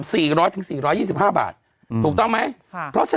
สี่ร้อยถึงสี่ร้อยยี่สิบห้าบาทถูกต้องไหมค่ะเพราะฉะ